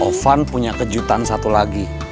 irfan punya kejutan satu lagi